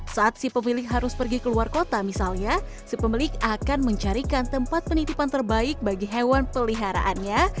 saat si pemilik harus pergi ke luar kota misalnya si pemilik akan mencarikan tempat penitipan terbaik bagi hewan peliharaannya